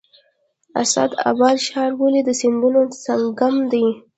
اسعد اباد ښار ولې د سیندونو سنگم دی؟